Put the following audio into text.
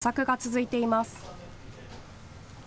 模索が続いています。